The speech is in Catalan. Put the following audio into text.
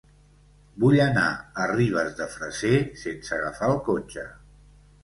Vull anar a Ribes de Freser sense agafar el cotxe.